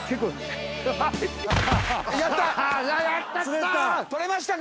やった！